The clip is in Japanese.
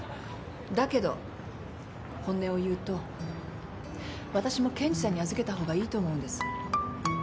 だけど本音を言うとわたしも健児さんに預けたほうがいいと思うんです。